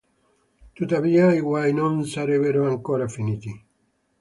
Tuttavia i guai non sarebbero ancora finiti.